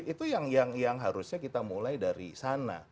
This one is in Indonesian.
itu yang harusnya kita mulai dari sana